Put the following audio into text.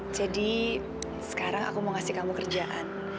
jadi sekarang aku mau kasih kamu kerjaan